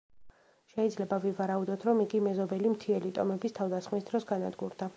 შეიძლება ვივარაუდოთ, რომ იგი მეზობელი მთიელი ტომების თავდასხმის დროს განადგურდა.